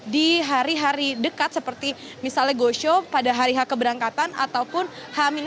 di hari hari dekat seperti misalnya gosyo pada hari keberangkatan ataupun h satu